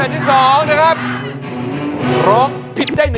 ช่วย